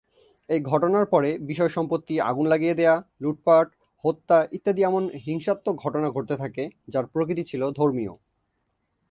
এই ঘটনার পরে বিষয়-সম্পত্তি আগুন লাগিয়ে দেয়া, লুটপাট, হত্যা ইত্যাদি এমন হিংসাত্মক ঘটনা ঘটতে থাকে, যার প্রকৃতি ছিল ধর্মীয়।